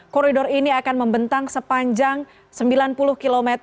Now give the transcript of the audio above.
koridor ini akan membentang sepanjang sembilan puluh km